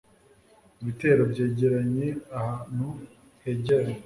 ibitero byegeranye ahantu hegeranye